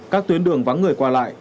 các tuyến đường vắng người qua lại